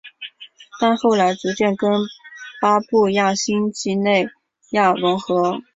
但后来逐渐跟巴布亚新几内亚融合。